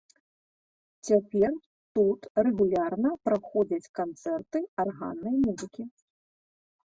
Цяпер тут рэгулярна праходзяць канцэрты арганнай музыкі.